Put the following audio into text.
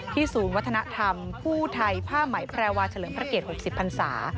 ศูนย์วัฒนธรรมผู้ไทยผ้าไหมแพรวาเฉลิมพระเกต๖๐พันศา